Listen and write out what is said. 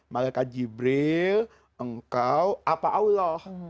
malaikat jibril engkau apa allah